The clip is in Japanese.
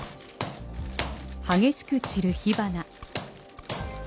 激しく散る火花。